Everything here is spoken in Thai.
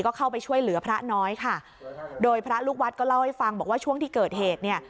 ก็เข้าไปช่วยเหลือพระน้อยค่ะโดยพระลูกวัดก็เล่าให้ฟังบอกว่าช่วงที่เกิดเหตุเนี่ย